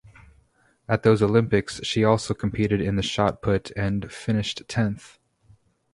At those Olympics she also competed in the shot put and finished tenth.